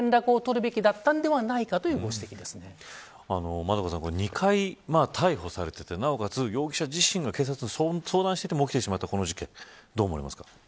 円香さん、２回逮捕されていてなおかつ、容疑者自身も警察と相談していても起きてしまったこの事件どう思いますか。